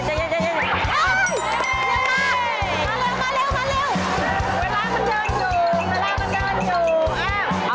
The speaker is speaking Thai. เอาแบบเมื่อกี้นี่สำหรับที่อีดีนะครับ